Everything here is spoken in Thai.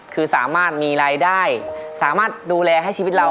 คือสามารถมีรายได้สามารถดูแลให้ชีวิตเรา